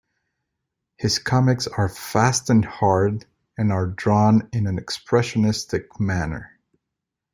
His comics are fast and hard and are drawn in an expressionistic manner.